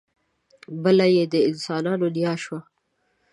بله یې د انسانانو نیا شوه.